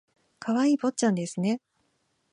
可愛い坊ちゃんですね